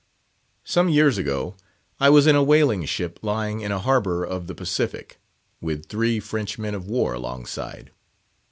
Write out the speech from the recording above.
Some years ago, I was in a whaling ship lying in a harbour of the Pacific, with three French men of war alongside.